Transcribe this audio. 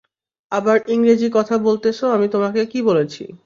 আবার ইংরেজি কথা বলতেছো আমি তোমাকে কি বলেছি।